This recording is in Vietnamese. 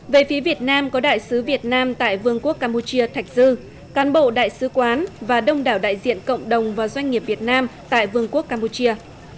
về phía việt nam có đại sứ việt nam tại vương quốc campuchia thạch dư cán bộ đại sứ quán và đông đảo đại diện cộng đồng và doanh nghiệp việt nam tại vương quốc campuchia